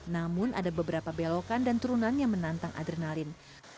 namun ada beberapa belokan dan turunan yang menantang adrenalin